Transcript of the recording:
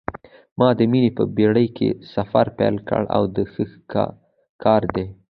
ما د مینې په بېړۍ کې سفر پیل کړ دا ښه کار دی.